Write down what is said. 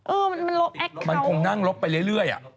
เออมันลบแอคมันคงนั่งลบไปเรื่อย